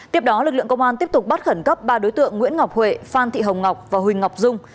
tiếp đó lực lượng công an tiếp tục bắt khẩn cấp ba đối tượng nguyễn ngọc huệ phan thị hồng ngọc và huỳnh ngọc dung